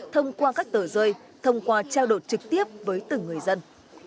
thông qua các tờ rơi thông qua trao đột trực tiếp với từng người dân